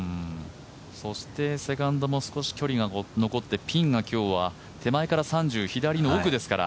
そして、セカンドも少し距離が残ってピンが今日は手前から３０左の奥ですから。